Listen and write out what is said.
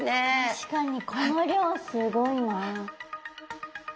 確かにこの量すごいなあ。